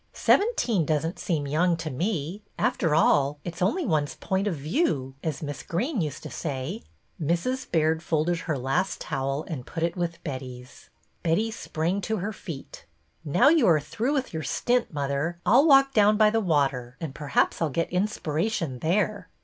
Seventeen does n't seem young to me. After all, it 's only one's point of view, as Miss Greene used to say." Mrs. Baird folded her last towel and put it with Betty's. Betty sprang to her feet. Now you are through with your stint, mother, I 'll walk down by the water, and perhaps I 'll get inspiration there."